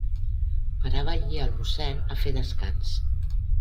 Parava allí el mossén a fer descans.